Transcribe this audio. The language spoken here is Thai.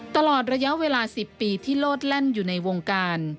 ตลอดระยะเวลา๑๐ปีที่โลดแล่นอยู่ในวงการ